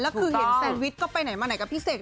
แล้วคือเห็นแซนวิชก็ไปไหนมาไหนกับพี่เสก